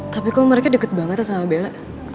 tapi kok mereka deket banget sama bella